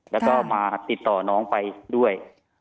แล้วก็มาติดต่อน้องไปด้วย